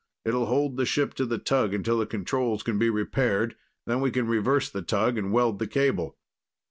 It'll hold the ship to the tug until the controls can be repaired, then we can reverse the tug and weld the cable."